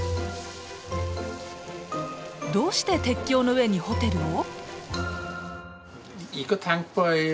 どうして鉄橋の上にホテルを？